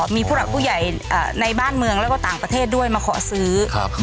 มีผู้หลักผู้ใหญ่ในบ้านเมืองแล้วก็ต่างประเทศด้วยมาขอซื้อ